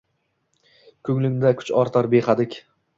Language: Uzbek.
Ko‘nglimda kuch ortar – behadik.